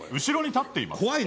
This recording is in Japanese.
後ろに立っています。